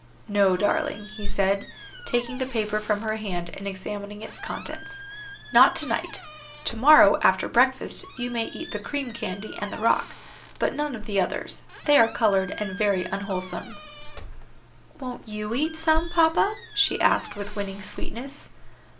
"No, darling," he said, taking the paper from her hand and examining its contents, "not to night; to morrow, after breakfast, you may eat the cream candy and the rock, but none of the others; they are colored, and very unwholesome." "Won't you eat some, papa?" she asked with winning sweetness.